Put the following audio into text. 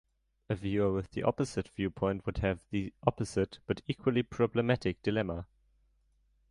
A viewer with the opposite viewpoint would have the opposite but equally problematic dilemma.